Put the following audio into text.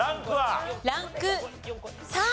ランク３。